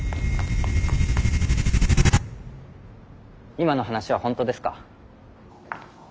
今の話は本当ですか？